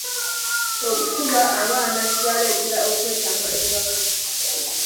Okukuba abaana kibaleetera okwetamwa ewaka.